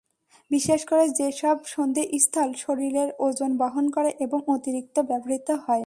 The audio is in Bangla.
বিশেষ করে যেসব সন্ধিস্থল শরীরের ওজন বহন করে এবং অতিরিক্ত ব্যবহৃত হয়।